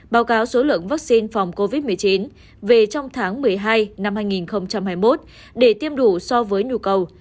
báo cáo số lượng vaccine phòng covid một mươi chín về trong tháng một mươi hai năm hai nghìn hai mươi một để tiêm đủ so với nhu cầu